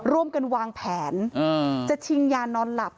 ร่วมกันวางแผนจะชิงยานอนหลับ